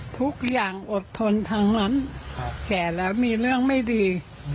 ทุกอย่างอดทนทั้งนั้นแก่แล้วมีเรื่องไม่ดี